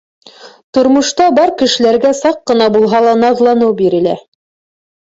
Тормошта бар кешеләргә саҡ ҡына булһа ла наҙланыу бирелә.